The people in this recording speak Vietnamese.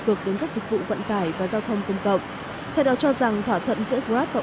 cược đến các dịch vụ vận tải và giao thông công cộng thầy đạo cho rằng thỏa thuận giữa grab và